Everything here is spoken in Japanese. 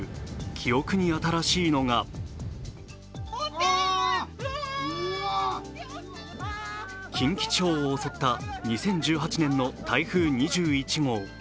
記憶に新しいのが近畿地方を襲った２０１８年の台風２１号。